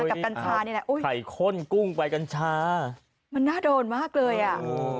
กับกัญชานี่แหละอุ้ยไข่ข้นกุ้งใบกัญชามันน่าโดนมากเลยอ่ะ